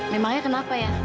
memangnya kenapa ya